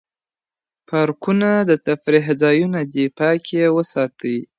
پارکونه د تفریح ځایونه دي پاک یې وساتئ.